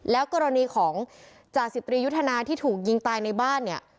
แล้วกรณีของจ่าสิบตรียุทธนาที่ถูกยิงตายในบ้านเนี่ย